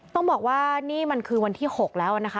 ต้องบอกว่านี่มันคือวันที่๖แล้วนะคะ